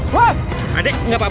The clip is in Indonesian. woy jangan kabur